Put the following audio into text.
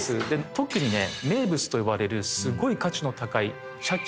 特にね名物と呼ばれるすごい価値の高い茶器。